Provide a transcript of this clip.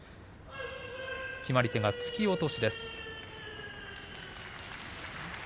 決まり手は突き落としです。